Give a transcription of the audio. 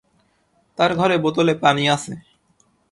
তাঁর ঘরে বোতলে পানি আছে।